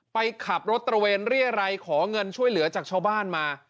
ไปขับรถตระเวนเรียรัยขอเงินช่วยเหลือจากชาวบ้านมา